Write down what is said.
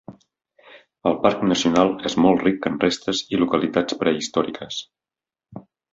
El parc nacional és molt ric en restes i localitats prehistòriques.